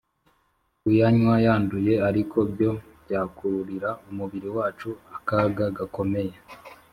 kuyanywa yanduye ariko byo byakururira umubiri wacu akaga gakomeye.